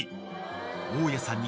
［大家さんに］